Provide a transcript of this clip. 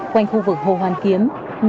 quanh khu vực hồ hoàn kiếm